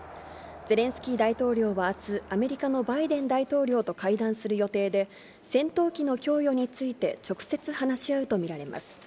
ゼレンスキー大統領はあす、アメリカのバイデン大統領と会談する予定で、戦闘機の供与について、直接話し合うと見られます。